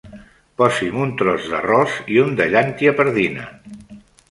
Posi'm un tros d'arròs i un de llentia pardina.